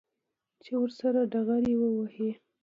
چې ورسره ډغرې ووهي.